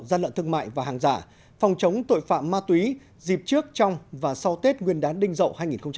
gian lận thương mại và hàng giả phòng chống tội phạm ma túy dịp trước trong và sau tết nguyên đán đinh dậu hai nghìn hai mươi bốn